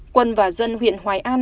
quân và dân huyện hoài an